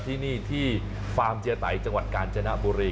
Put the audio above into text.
ที่นี่ที่ฟาร์มเจียไตจังหวัดกาญจนบุรี